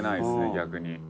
逆に」